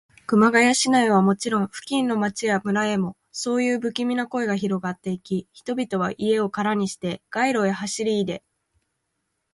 熊谷市内はもちろん、付近の町や村へも、そういうぶきみな声がひろがっていき、人々は家をからにして、街路へ走りいで、